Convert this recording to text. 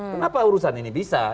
kenapa urusan ini bisa